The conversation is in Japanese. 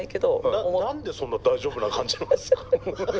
何でそんな大丈夫な感じなんですか？